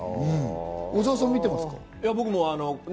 小澤さん見てますか？